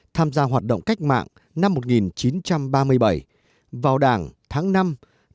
tham gia hoạt động cách mạng năm một nghìn chín trăm ba mươi bảy vào đảng tháng năm năm một nghìn chín trăm ba mươi tám